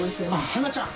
華ちゃん。